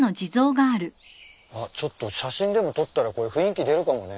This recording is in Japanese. あっちょっと写真でも撮ったらこれ雰囲気出るかもね。